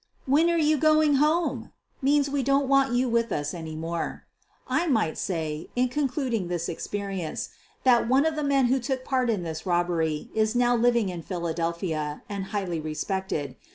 "When are you going home!" means we don't want you with us any more. I might say, in concluding this experience, that one of the men who took part in this robbery is now living in Philadel phia and highly respected.